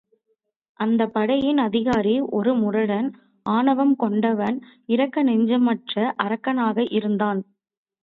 அந்தப் படையின் அதிகாரி ஒரு முரடன், ஆணவம் கொண்டவன், இரக்க நெஞ்சமற்ற அரக்கனாக இருந்தான்.